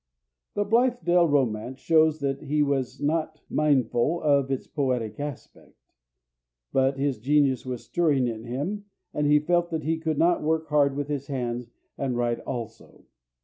The Blithedale Romance shows that he was not unmindful of its poetic aspect; but his genius was stirring in him, and he felt that he could not work hard with his hands and write also.